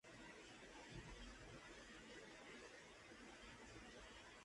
Las vías del Ferrocarril General Belgrano se encuentran inactivas.